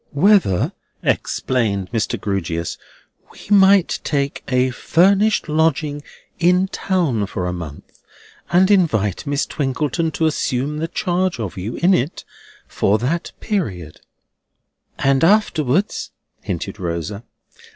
"Whether," explained Mr. Grewgious, "we might take a furnished lodging in town for a month, and invite Miss Twinkleton to assume the charge of you in it for that period?" "And afterwards?" hinted Rosa.